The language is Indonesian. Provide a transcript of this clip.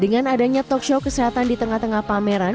dengan adanya talkshow kesehatan di tengah tengah pameran